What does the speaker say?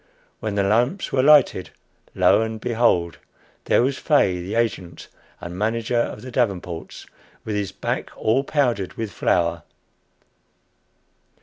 When the lamps were lighted, lo and behold! there was Fay, the agent and manager of the Davenports, with his back all powdered with flour.